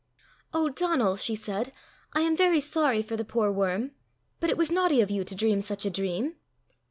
"O Donal!" she said, "I am very sorry for the poor worm; but it was naughty of you to dream such a dream."